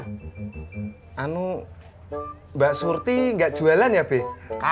kagak emang kenapa mbak surti sakit kagak emang kenapa mbak surti sakit kagak